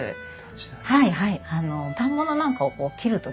はいはい。